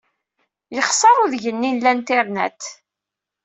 Yexṣer udeg-nni n Internet.